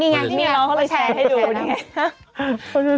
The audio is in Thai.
นี่ไงนี่ไงเขาจะแชร์ให้ดู